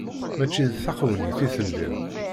Mačči d taxewnit i telliḍ.